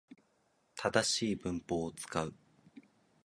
正しい文法を使う